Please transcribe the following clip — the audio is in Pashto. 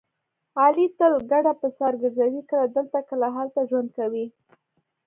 علي تل کډه په سر ګرځوي کله دلته کله هلته ژوند کوي.